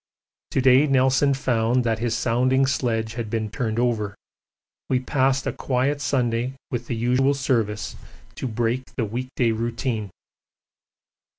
To day Nelson found that his sounding sledge had been turned over. We passed a quiet Sunday with the usual Service to break the week day routine.